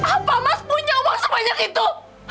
apa mas punya uang sebanyak itu